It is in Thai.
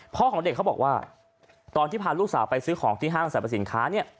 ของเด็กเขาบอกว่าตอนที่พาลูกสาวไปซื้อของที่ห้างสรรพสินค้าเนี่ย